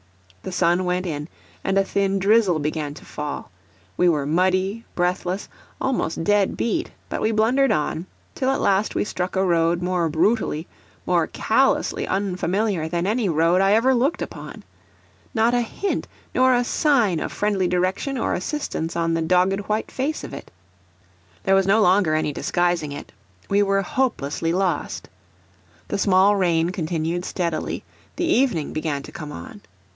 The sun went in, and a thin drizzle began to fall; we were muddy, breathless, almost dead beat; but we blundered on, till at last we struck a road more brutally, more callously unfamiliar than any road I ever looked upon. Not a hint nor a sign of friendly direction or assistance on the dogged white face of it. There was no longer any disguising it we were hopelessly lost. The small rain continued steadily, the evening began to come on.